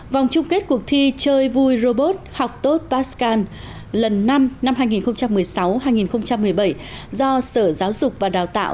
vòng chung kết cuộc thi chơi vui robot học tốt pascal lần năm năm hai nghìn một mươi sáu hai nghìn một mươi bảy do sở giáo dục và đào tạo